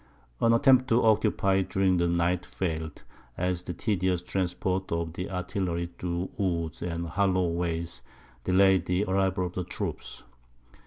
An attempt to occupy it during the night failed, as the tedious transport of the artillery through woods and hollow ways delayed the arrival of the troops.